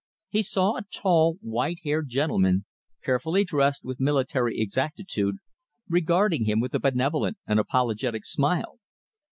He saw a tall, white haired gentleman, carefully dressed with military exactitude, regarding him with a benevolent and apologetic smile.